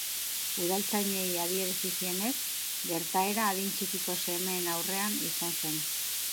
Udaltzainei adierazi zienez, gertaera adin txikiko semeen aurrean izan zen.